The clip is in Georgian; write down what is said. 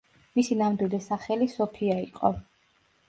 მისი ნამდვილი სახელი სოფია იყო.